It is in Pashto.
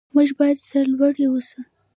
موږ باید سرلوړي اوسو.